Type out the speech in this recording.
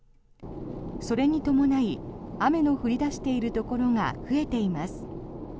それに伴い雨の降り出しているところが増えています。